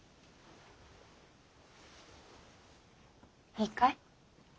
いいかい？